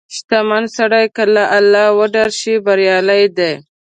• شتمن سړی که له الله وډار شي، بریالی دی.